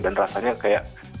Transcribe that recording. dan rasanya kayak